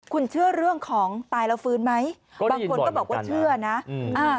คุณเชื่อเรื่องของตายแล้วฟื้นไหมบางคนก็บอกว่าเชื่อนะอืมอ่า